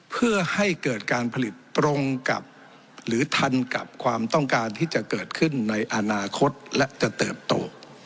เพื่อให้เกิดการผลิตตรงกับหรือทันกับความต้องการที่จะเกิดขึ้นในอนาคตและจะเติบโต